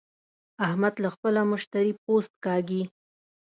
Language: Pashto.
احمد له خپله مشتري پوست کاږي.